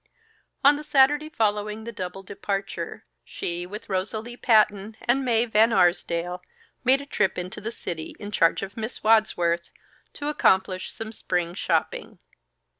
On the Saturday following the double departure, she, with Rosalie Patton and Mae Van Arsdale, made a trip into the city in charge of Miss Wadsworth, to accomplish some spring shopping.